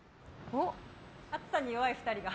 暑さに弱い２人が。